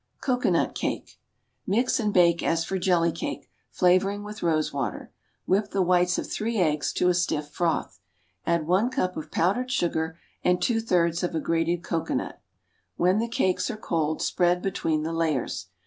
Cocoanut cake. Mix and bake as for jelly cake, flavoring with rose water. Whip the whites of three eggs to a stiff froth. Add one cup of powdered sugar, and two thirds of a grated cocoanut. When the cakes are cold, spread between the layers.